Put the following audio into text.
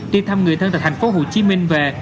đi thăm người thân tại tp hcm về